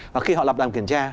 và khi họ lập đàm kiểm tra